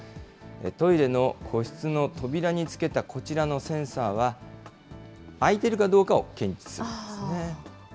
トイレの個室の扉に付けたこちらのセンサーは、空いてるかどうかを検知するんですね。